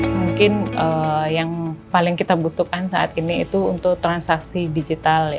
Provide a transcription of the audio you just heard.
mungkin yang paling kita butuhkan saat ini itu untuk transaksi digital